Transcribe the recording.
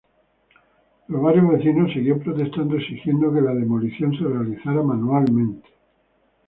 Pero varios vecinos seguían protestando exigiendo que la demolición se realizara manualmente.